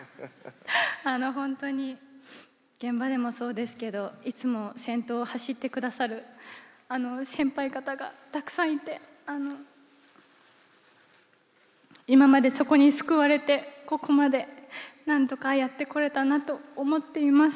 本当に現場でもそうですけど、いつも先頭を走ってくださる先輩方がたくさんいて、今までそこに救われて、ここまでなんとかやってこれたなと思っています。